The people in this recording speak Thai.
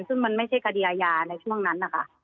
เพราะว่ามันไม่ใช่กฎิยายาในช่วงนั้นนะคะ